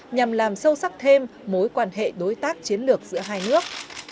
nhằm làm sâu sắc thêm mối quan hệ đối tác chiến lược giữa hai nước